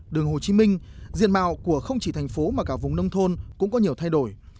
đường hồ chí minh diện mạo của không chỉ thành phố mà cả vùng nông thôn cũng có nhiều thay đổi